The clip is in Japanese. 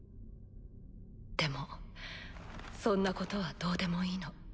でもそんなことはどうでもいいの。